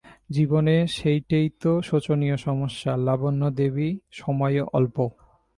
জীবনে সেইটেই তো শোচনীয় সমস্যা, লাবণ্যদেবী, সময় অল্প।